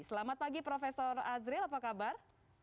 selamat pagi prof azril apa kabar